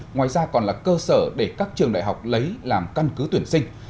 ngoài ra còn là cơ sở để các trường đại học lấy làm căn cứ tuyển sinh